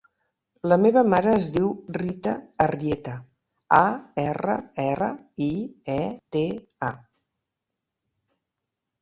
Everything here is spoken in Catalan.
La meva mare es diu Rita Arrieta: a, erra, erra, i, e, te, a.